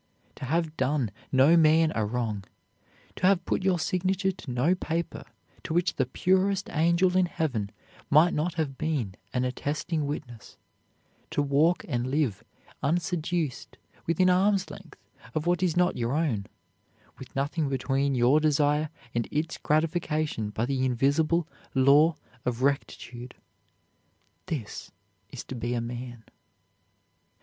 To have done no man a wrong; to have put your signature to no paper to which the purest angel in heaven might not have been an attesting witness; to walk and live, unseduced, within arm's length of what is not your own, with nothing between your desire and its gratification but the invisible law of rectitude; this is to be a man.